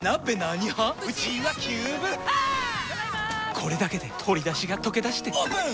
これだけで鶏だしがとけだしてオープン！